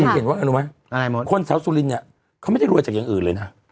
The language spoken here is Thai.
คงเห็นว่าอะไรไหมอะไรหมดคนเฉาสุรินเนี้ยเขาไม่ได้รวยจากอย่างอื่นเลยนะ